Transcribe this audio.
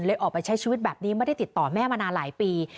ออกไปใช้ชีวิตแบบนี้ไม่ได้ติดต่อแม่มานานหลายปี